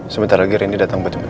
sebentar lagi rini datang bercampur